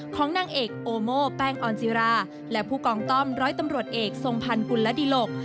ของนางเอกโอโมแป้งออนจิราและผู้กองต้อมร้อยตำรวจเอกทรงพันธ์กุลดิหลก